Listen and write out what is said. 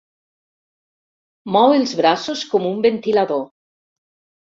Mou els braços com un ventilador.